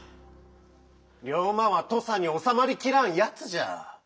龍馬は土佐におさまりきらんやつじゃ。